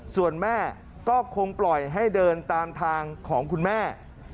ส่วนแม่ก็คงปล่อยให้เดินตามทางของคุณแม่